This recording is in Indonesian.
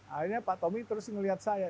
akhirnya pak tommy terus melihat saya